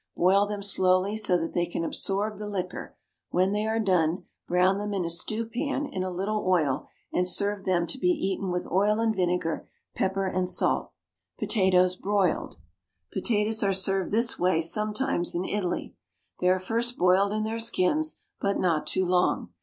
Boil them slowly, so that they can absorb the liquor; when they are done, brown them in a stew pan in a little oil, and serve them to be eaten with oil and vinegar, pepper and salt. POTATOES, BROILED. Potatoes are served this way sometimes in Italy. They are first boiled in their skins, but not too long.